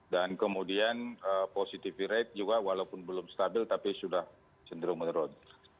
dan kemudian positivity rate juga walaupun belum stabil tapi sudah cenderung menurun